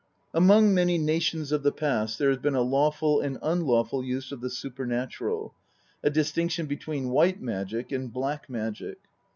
Among many nations of the past there has been a lawful and unlawful use of the supernatural, a distinction between "white magic" and " black magic."